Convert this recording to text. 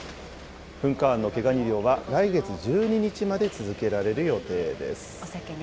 噴火湾の毛ガニ漁は来月１２日まで続けられる予定です。